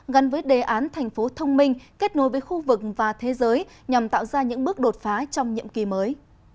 gắn với đề án thành phố thông minh kết nối với khu vực và thế giới nhằm tạo ra những bước đột phá trong nhiệm kỳ mới